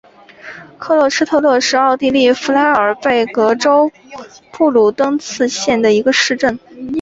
克勒施特勒是奥地利福拉尔贝格州布卢登茨县的一个市镇。